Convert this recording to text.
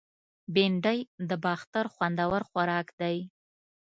بېنډۍ د باختر خوندور خوراک دی